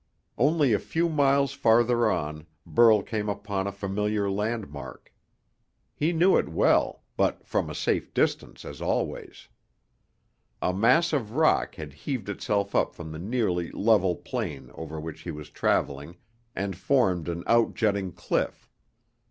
Only a few miles farther on Burl came upon a familiar landmark. He knew it well, but from a safe distance as always. A mass of rock had heaved itself up from the nearly level plain over which he was traveling, and formed an outjutting cliff.